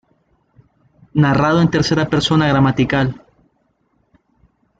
Narrado en tercera persona gramatical.